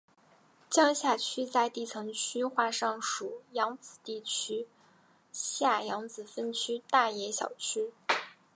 江夏区在地层区划上属扬子地层区下扬子分区大冶小区。